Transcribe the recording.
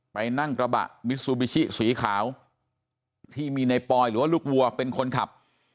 ไปนั่งกระบะมิซูบิชิสีขาวที่มีในปอยหรือว่าลูกวัวเป็นคนขับ